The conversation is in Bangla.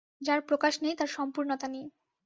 যার প্রকাশ নেই তার সম্পূর্ণতা নেই।